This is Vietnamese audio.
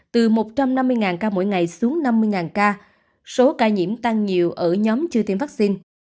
từ một trăm năm mươi ca mỗi ngày xuống năm mươi ca số ca nhiễm tăng nhiều ở nhóm chưa tiêm vaccine